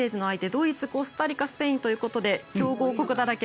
ドイツ、コスタリカスペインということで強豪国だらけ。